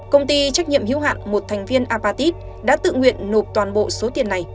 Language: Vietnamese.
công ty trách nhiệm hữu hạn một thành viên apatit đã tự nguyện nộp toàn bộ số tiền này